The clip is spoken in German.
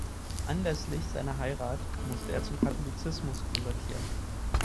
Anlässlich seiner Heirat musste er zum Katholizismus konvertieren.